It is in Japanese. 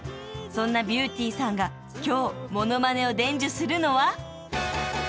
［そんなビューティーさんが今日モノマネを伝授するのは］